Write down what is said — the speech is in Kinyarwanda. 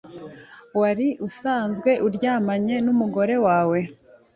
wari usanzwe aryamanye n’umugore we;